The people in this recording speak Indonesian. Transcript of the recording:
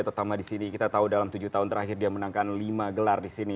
terutama di sini kita tahu dalam tujuh tahun terakhir dia menangkan lima gelar di sini